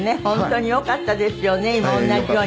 本当によかったですよね。